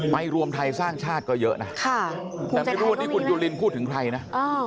ไปรวมไทยสร้างชาติก็เยอะนะว่าไม่รู้ยกูลีนพูดถึงกายนะ